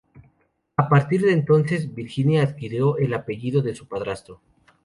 A partir de entonces Virginia adquirió el apellido de su padrastro.